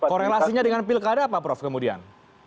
korelasinya dengan pilkada apa prof kemudian